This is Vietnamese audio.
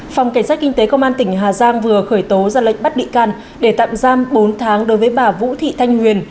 phòng cảnh sát kinh tế công an tỉnh hà giang vừa khởi tố ra lệnh bắt bị can để tạm giam bốn tháng đối với bà vũ thị thanh nguyên